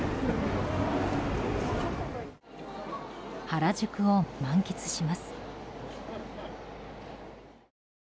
原宿を満喫します。